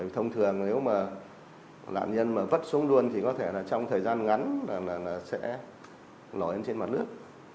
thông thường nếu mà nạn nhân vất xuống luôn thì có thể trong thời gian ngắn là nó sẽ lòi lên trên mặt nước